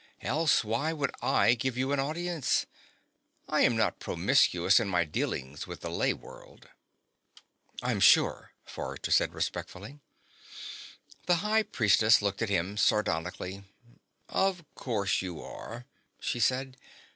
"Else why would I give you audience? I am not promiscuous in my dealings with the lay world." "I'm sure," Forrester said respectfully. The High Priestess looked at him sardonically. "Of course you are," she said.